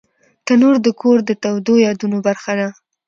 تنور د کور د تودو یادونو برخه ده